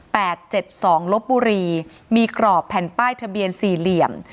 เจ็ดสองลบบุรีมีกรอบแผ่นป้ายทะเบียนสี่เหลี่ยม